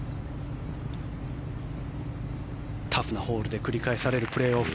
タフなホールで繰り返されるプレーオフ。